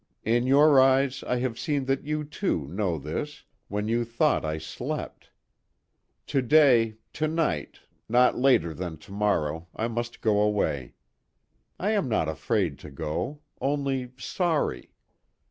In your eyes I have seen that you, too, know this when you thought I slept. To day to night not later than to morrow I must go away. I am not afraid to go only sorry.